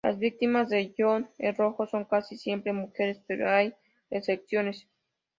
Las víctimas de John el Rojo son casi siempre mujeres, pero hay excepciones.